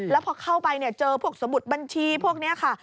แล้วพอเข้าไปเจอพวกสมุดบัญชีพวกนี้ค่ะ